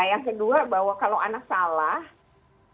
yang kedua bahwa kalau anak salah